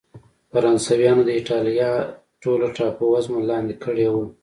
فرانسویانو د اېټالیا ټوله ټاپو وزمه لاندې کړې وه.